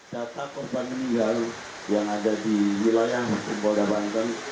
data korban meninggal yang ada di wilayah hukum polda banten